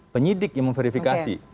penyidik yang memverifikasi